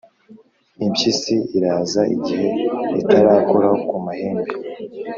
impyisi iraza, igihe itarakora ku mahembe,